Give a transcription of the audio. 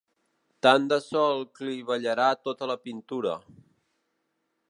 Tant de sol clivellarà tota la pintura.